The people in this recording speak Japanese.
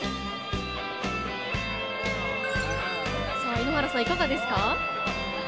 井ノ原さん、いかがですか。